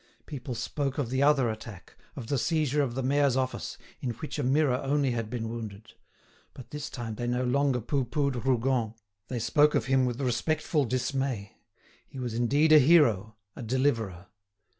People spoke of the other attack, of the seizure of the mayor's office, in which a mirror only had been wounded; but this time they no longer pooh poohed Rougon, they spoke of him with respectful dismay; he was indeed a hero, a deliverer.